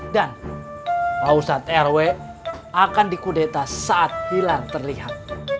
dan pausat rw akan dikudeta saat hilal terlihat